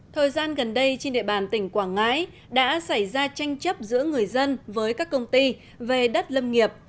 thời gian gần đây trên địa bàn tỉnh quảng ngãi đã xảy ra tranh chấp giữa người dân với các công ty về đất lâm nghiệp